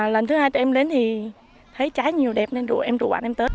lần thứ hai tụi em đến thì thấy trái nhiều đẹp nên em rủ bạn em tới